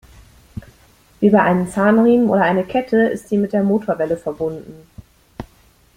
Über einen Zahnriemen oder eine Kette ist sie mit der Motorwelle verbunden.